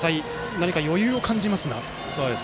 何か、余裕も感じますが。